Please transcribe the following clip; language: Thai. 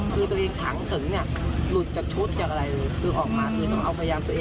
ทีมข่าวของเรา